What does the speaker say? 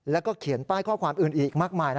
แล้วก็เขียนป้ายข้อความอื่นอีกมากมายนะ